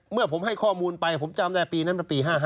เมื่อผมให้ข้อมูลไปผมจำได้ปีนั้นมันปี๕๕